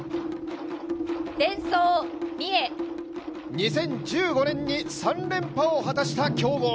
２０１５年に３連覇を果たした強豪。